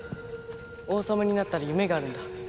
王様になったら夢があるんだ。